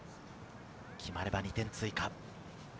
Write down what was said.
決まれば２点追加。